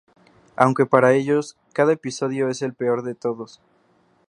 Aunque para ellos, cada episodio es el peor de todos.